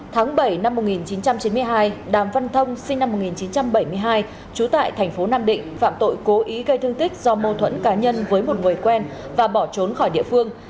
tháng bảy năm một nghìn chín trăm chín mươi hai đàm văn thông sinh năm một nghìn chín trăm bảy mươi hai trú tại thành phố nam định phạm tội cố ý gây thương tích do mâu thuẫn cá nhân với một người quen và bỏ trốn khỏi địa phương